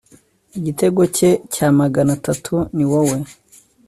igitego cye cya magana atatu, niwowe